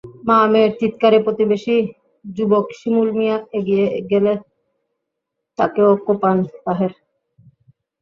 মা-মেয়ের চিৎকারে প্রতিবেশী যুবক শিমুল মিয়া এগিয়ে গেলে তাঁকেও কোপান তাহের।